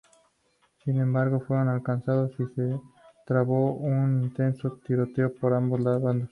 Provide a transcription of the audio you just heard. Sin embargo, fue alcanzado y se trabó un intenso tiroteo por ambos bandos.